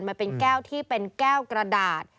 มันเป็นแก้วที่เป็นแก้วกระดาษ